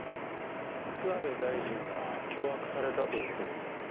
諏訪部大臣が脅迫されたという事ですけど。